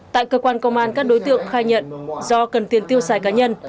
tại cơ quan công an các đối tượng khai nhận do cần tiền tiêu xài cá nhân